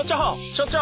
所長！